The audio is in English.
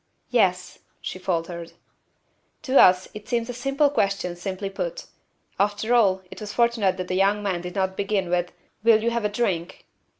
"'Yes,' she faltered." To us it seemed a simple question simply put. After all, it was fortunate that the young man did not begin with "Will you have a drink?"